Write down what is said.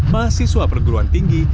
mahasiswa perguruan tinggi